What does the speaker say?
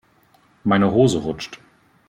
Meine Hose rutscht.